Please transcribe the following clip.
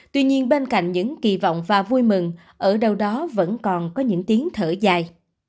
tuy nhiên bên cạnh những kỳ vọng và vui mừng ở đâu đó vẫn còn có những tiếng thở dài